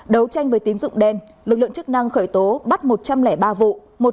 đấu tranh với tín dụng đen lực lượng chức năng khởi tố bắt một trăm linh ba vụ